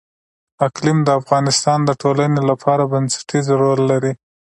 اقلیم د افغانستان د ټولنې لپاره بنسټيز رول لري.